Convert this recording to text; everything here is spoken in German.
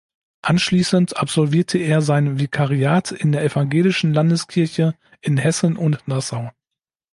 Anschließend absolvierte er sein Vikariat in der Evangelischen Landeskirche in Hessen und Nassau.